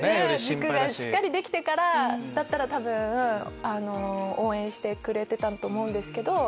軸がしっかりできてからだったら応援してくれてたと思うんですけど。